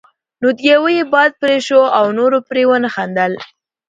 نو د يوه یې باد پرې شو او نورو پرې ونه خندل.